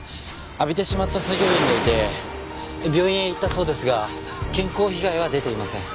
浴びてしまった作業員がいて病院へ行ったそうですが健康被害は出ていません。